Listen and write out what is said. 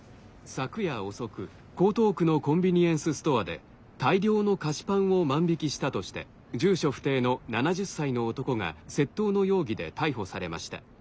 昨夜遅く江東区のコンビニエンスストアで大量の菓子パンを万引きしたとして住所不定の７０歳の男が窃盗の容疑で逮捕されました。